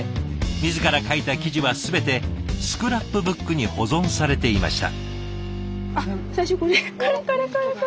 自ら書いた記事は全てスクラップブックに保存されていました。